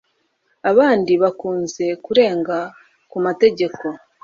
abandi bakunze kurenga ku mategeko